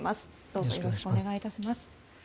どうぞよろしくお願い致します。